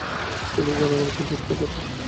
তিনি জনগণকে উদ্দীপিত করে।